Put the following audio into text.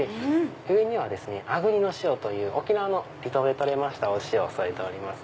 上には粟國の塩という沖縄の離島で採れましたお塩を添えております。